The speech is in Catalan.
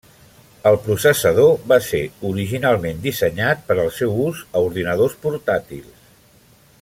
El processador va ser originalment dissenyat per al seu ús a ordinadors portàtils.